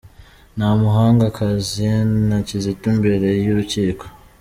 Ntamuhanga Cassien na Kizito imbere y’urukiko.